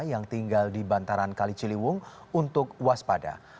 yang tinggal di bantaran kaliciliwung untuk waspada